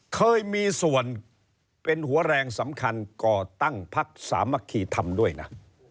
เคยมีส่วนเป็นหัวแรงสำคัญก่อตั้งพักสามัคคีธรรมด้วยนะ